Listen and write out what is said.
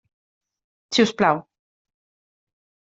Si us plau.